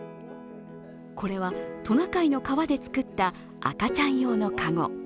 これは、トナカイの皮で作った赤ちゃん用の籠。